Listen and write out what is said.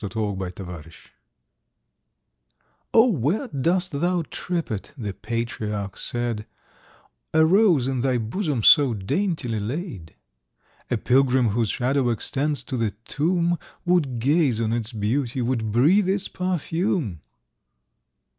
THE ENCHANTED ROSE "O where dost thou trip it," the patriarch said, "A Rose in thy bosom so daintily laid? A pilgrim, whose shadow extends to the tomb, Would gaze on its beauty, would breathe its perfume!"